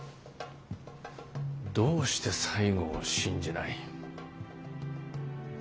どうして西郷を信じない？